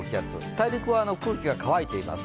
大陸は空気が乾いています。